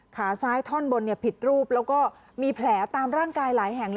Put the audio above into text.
ขาซ้ายท่อนบนผิดรูปแล้วก็มีแผลตามร่างกายหลายแห่งเลย